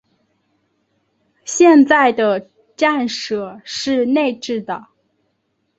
现在的站舍是内置的。